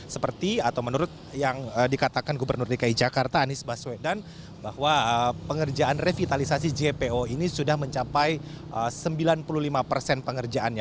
seperti atau menurut yang dikatakan gubernur dki jakarta anies baswedan bahwa pengerjaan revitalisasi jpo ini sudah mencapai sembilan puluh lima persen pengerjaannya